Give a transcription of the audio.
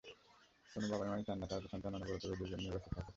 কোনো মা-বাবাই চান না, তাঁদের সন্তান অনবরত ভিডিও গেম নিয়ে ব্যস্ত থাকুক।